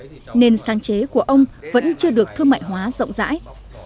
khiến nhiều hạt lạc bị lỗi vỡ nên sáng chế của ông vẫn chưa được thương mại hóa rộng rãi